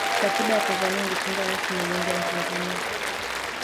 katiba ya tanzania ilitungwa rasmi na bunge la tanzania